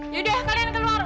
yaudah kalian keluar